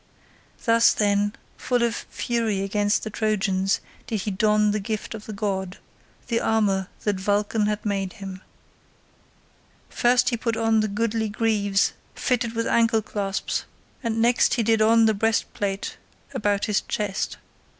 Thus, then, full of fury against the Trojans, did he don the gift of the god, the armour that Vulcan had made him. First he put on the goodly greaves fitted with ancle clasps, and next he did on the breastplate about his chest.